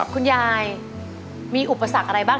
คุณยายมีอุปสรรคอะไรบ้าง